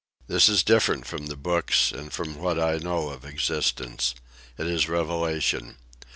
This is different from the books and from what I know of existence. It is revelation.